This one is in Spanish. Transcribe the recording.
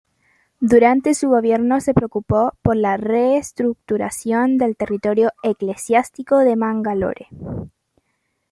Durante su gobierno se preocupó por la reestructuración del territorio eclesiástico de Mangalore.